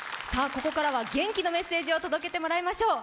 ここからは元気のメッセージを届けてもらいましょう。